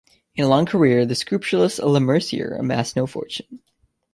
In a long career, the scrupulous Lemercier amassed no fortune.